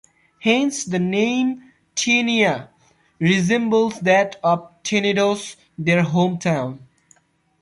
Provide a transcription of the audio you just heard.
Hence the name Tenea resembles that of Tenedos, their home-town.